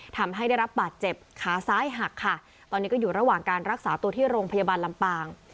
ทำให้ได้รับบาดเจ็บขาซ้ายหักค่ะตอนนี้ก็อยู่ระหว่างการรักษาตัวที่โรงพยาบาลลำปาง